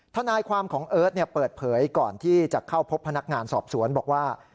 ทนายความของเอิร์ทเปิดเผยก่อนที่จะเข้าพบพนักงานสอบสวนบอกว่า